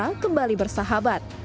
para kembali bersahabat